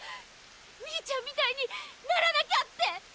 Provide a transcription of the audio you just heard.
兄ちゃんみたいにならなきゃって！